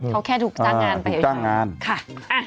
เขาแค่ถูกจ้างงานไปเทียบฉัน